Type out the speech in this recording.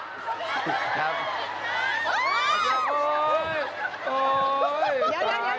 สรุปทำไว้นัดทำไม